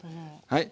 はい。